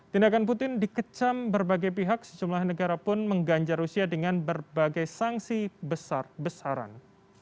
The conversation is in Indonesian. tindakan putin dikecam berbagai pihak sejumlah negara pun mengganjar rusia dengan berbagai sanksi besar besaran